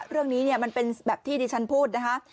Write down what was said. เรื่องนี้เนี่ยมันเป็นแบบที่ดิฉันพูดนะคะ